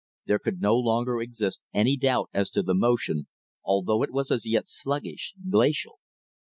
There could no longer exist any doubt as to the motion, although it was as yet sluggish, glacial.